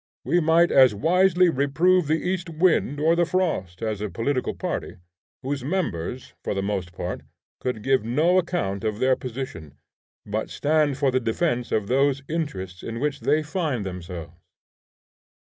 We might as wisely reprove the east wind or the frost, as a political party, whose members, for the most part, could give no account of their position, but stand for the defence of those interests in which they find themselves.